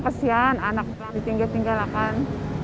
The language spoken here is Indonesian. kesian anak anak ditinggal tinggal kan